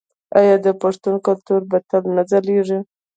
آیا د پښتنو کلتور به تل نه ځلیږي؟